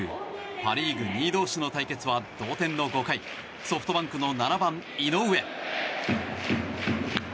パ・リーグ２位同士の対決は同点の５回ソフトバンクの７番、井上。